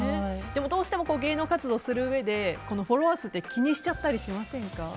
でも、どうしても芸能活動をするうえでフォロワー数って気にしちゃったりしませんか？